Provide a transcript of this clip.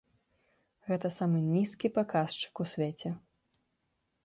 Гэта самы нізкі паказчык у свеце.